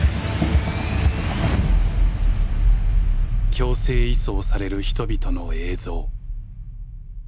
強制移送される人々の映像。